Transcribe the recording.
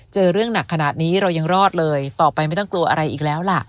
เจอเรื่องหนักขนาดนี้เรายังรอดเลยต่อไปไม่ต้องกลัวอะไรอีกแล้วล่ะ